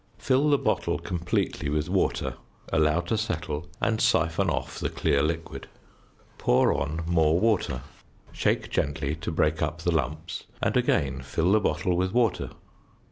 Fill the bottle completely with water, allow to settle, and syphon off the clear liquid; pour on more water, shake gently to break up the lumps, and again fill the bottle with water.